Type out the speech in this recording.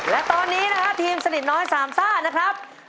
และตอนนี้นะฮะทีมสนิทน้อยสามซ่านะครับ